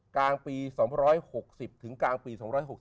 กลางปี๒๖๐ถึงกลางปี๒๖๐